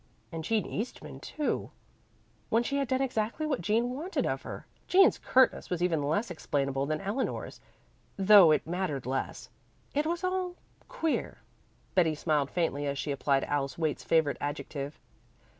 And Jean Eastman, too, when she had done exactly what Jean wanted of her. Jean's curtness was even less explainable than Eleanor's, though it mattered less. It was all queer. Betty smiled faintly as she applied Alice Waite's favorite adjective.